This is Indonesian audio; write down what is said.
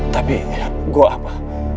tapi gua apa